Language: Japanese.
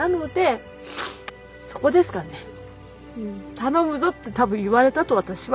「頼むぞ」って多分言われたと私は思ってる。